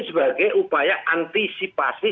sebagai upaya antisipasi